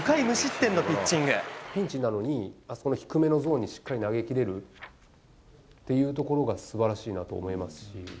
ピンチなのに、あそこの低めのゾーンにしっかり投げ切れるっていうところがすばらしいなと思いますし。